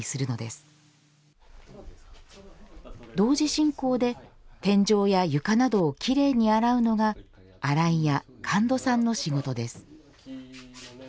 同時進行で天井や床などをきれいに洗うのが洗い屋神門さんの仕事です。